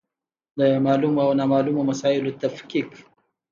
د معلومو او نامعلومو مسایلو تفکیک.